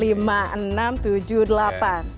lima enam tujuh delapan